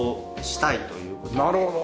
なるほど。